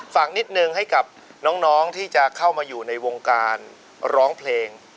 ฝากนิดนึงให้กับน้องที่จะเข้ามาอยู่ในวงการร้องเพลง